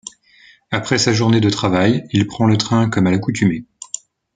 Après sa journée de travail, il prend le train comme à l'accoutumée.